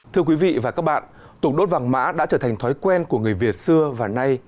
thưa quý vị và các bạn tục đốt vàng mã đã trở thành thói quen của người việt xưa và nay